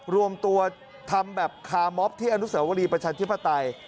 รวมตัวทำแบบคาร์มอบที่อนุสาวรีประชาธิปไตย